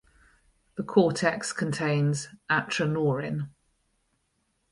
The cortex contains atranorin.